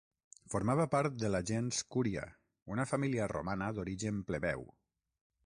Formava part de la gens Cúria, una família romana d'origen plebeu.